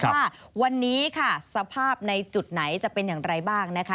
ว่าวันนี้ค่ะสภาพในจุดไหนจะเป็นอย่างไรบ้างนะคะ